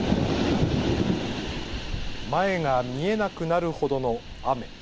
前が見えなくなるほどの雨。